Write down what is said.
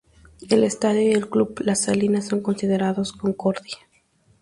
El estadio y el Club la Salina son considerados Concordia.